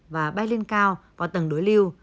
và bay lên cao vào tầng đối lưu